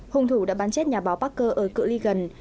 hung thủ đã bắn chết nhà báo parker ở cựu ly gần